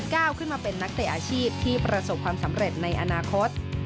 ก้าวขึ้นมาเป็นนักเตะอาชีพที่ประสบความสำเร็จในอนาคต